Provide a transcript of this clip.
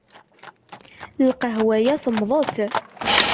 Lqahwa-ya semmḍet.